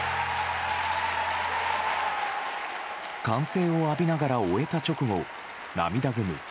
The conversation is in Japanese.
歓声を浴びながら終えた直後涙ぐむ